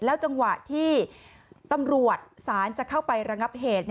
จังหวะที่ตำรวจศาลจะเข้าไประงับเหตุ